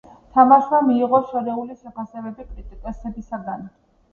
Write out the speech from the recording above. თამაშმა მიიღო შერეული შეფასებები კრიტიკოსებისგან.